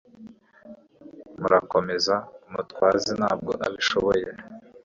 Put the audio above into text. murakomeze mutwaze ntabwo abishobora